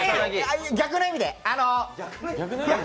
逆の意味で。